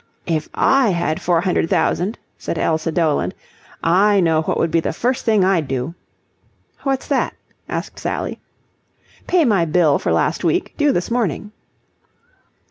"If I had four hundred thousand," said Elsa Doland, "I know what would be the first thing I'd do." "What's that?" asked Sally. "Pay my bill for last week, due this morning."